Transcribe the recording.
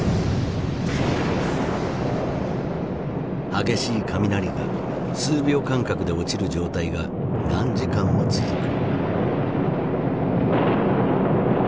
激しい雷が数秒間隔で落ちる状態が何時間も続く。